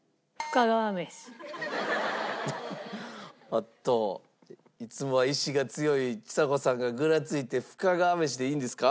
おっといつもは意思が強いちさ子さんがグラついて深川めしでいいんですか？